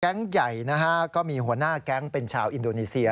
ใหญ่นะฮะก็มีหัวหน้าแก๊งเป็นชาวอินโดนีเซีย